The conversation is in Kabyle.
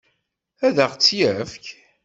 Ad ɣ-tt-yefk?